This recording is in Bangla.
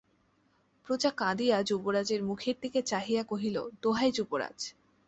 প্রজা কাঁদিয়া যুবরাজের মুখের দিকে চাহিয়া কহিল, দোহাই যুবরাজ।